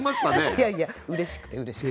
いやいやうれしくてうれしくて。